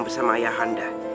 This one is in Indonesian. bersama ayah anda